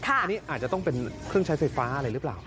อันนี้อาจจะต้องเป็นเครื่องใช้ไฟฟ้าอะไรหรือเปล่า